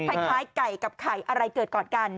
คล้ายไก่กับไข่อะไรเกิดก่อนกัน